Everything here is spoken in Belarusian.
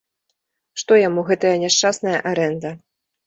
Што яму гэтая няшчасная арэнда.